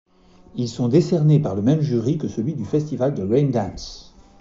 Ils sont décernés par le même jury que celui du Festival de Raindance.